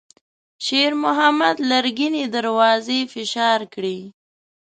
شېرمحمد لرګينې دروازې فشار کړې.